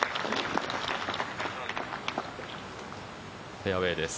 フェアウェーです。